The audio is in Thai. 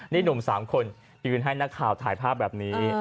นี่หนุ่ม๓คนยืนให้นักข่าวถ่ายภาพแบบนี้